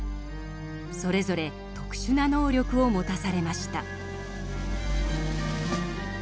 それぞれ特殊な能力を持たされました。